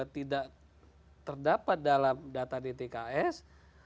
tidak terdapat dalam data di tks